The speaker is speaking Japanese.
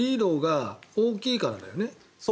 リードが大きいからだよね。